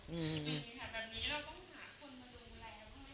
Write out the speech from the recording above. กี่ปีค่ะตอนนี้เราต้องหาคนมาดูแล้ว